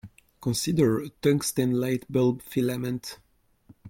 Consider a tungsten light-bulb filament.